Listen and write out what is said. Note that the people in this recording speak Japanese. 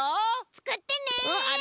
つくってね！